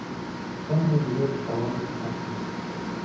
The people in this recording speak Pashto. سم مدیریت د تاوان خطر کموي.